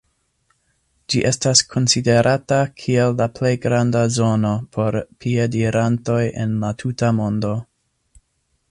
Ĝi estas konsiderata kiel la plej granda zono por piedirantoj en la tuta mondo.